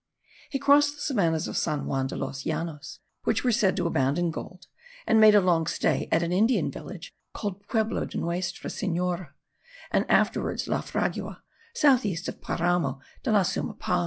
He crossed the savannahs of San Juan de los Llanos, which were said to abound in gold; and made a long stay at an Indian village called Pueblo de Nuestra Senora, and afterwards La Fragua, south east of the Paramo de la Suma Paz.